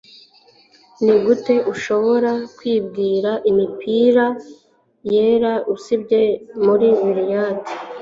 Nigute ushobora kubwira imipira yera usibye muri biliard